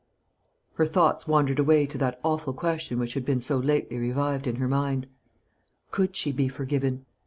Her thoughts wandered away to that awful question which had been so lately revived in her mind Could she be forgiven?